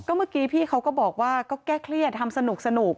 เมื่อกี้พี่เขาก็บอกว่าก็แก้เครียดทำสนุก